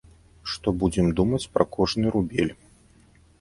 Што будзем думаць пра кожны рубель.